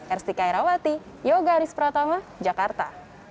erstika herawati yoga aris pratama jakarta